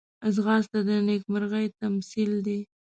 ځغاسته د نېکمرغۍ تمثیل دی